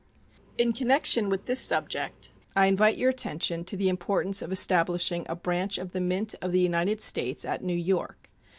In connection with this subject I invite your attention to the importance of establishing a branch of the Mint of the United States at New York.